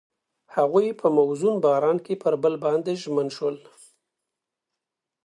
هغوی په موزون باران کې پر بل باندې ژمن شول.